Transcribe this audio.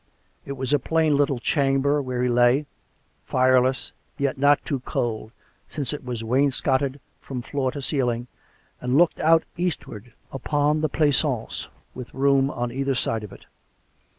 It was a plain little chamber where he lay, fireless, yet not too cold, since it was wainscoted from floor to ceiling, and looked out eastwards upon the pleasaunce, with rooms on either side of it.